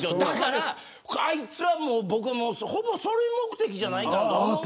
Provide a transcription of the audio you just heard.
あいつはほぼそれ目的じゃないかと。